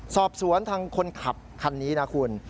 สอบสวนทางคนขับคันนี้นะคุณ